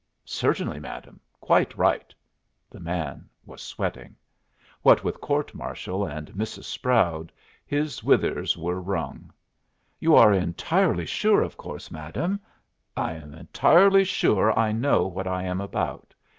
"Certainly, madam. Quite right." The man was sweating. What with court martial and Mrs. Sproud, his withers were wrung. "You are entirely sure, of course, madam " "I am entirely sure I know what I am about.